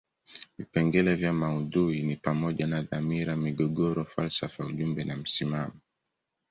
Vipengele vya maudhui ni pamoja na dhamira, migogoro, falsafa ujumbe na msimamo.